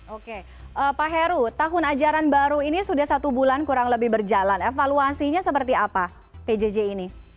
oke pak heru tahun ajaran baru ini sudah satu bulan kurang lebih berjalan evaluasinya seperti apa pjj ini